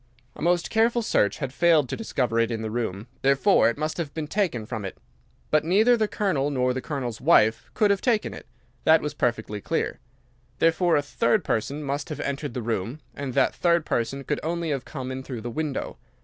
A most careful search had failed to discover it in the room. Therefore it must have been taken from it. But neither the Colonel nor the Colonel's wife could have taken it. That was perfectly clear. Therefore a third person must have entered the room. And that third person could only have come in through the window.